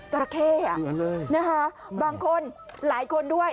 ตราเข้บางคนหลายคนด้วย